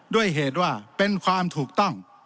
ด้วยเหตุว่าเป็นความถูกต้อง